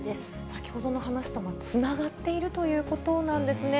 先ほどの話とつながっているということなんですね。